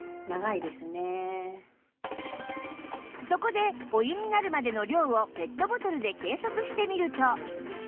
そこでお湯になるまでの量をペットボトルで計測してみると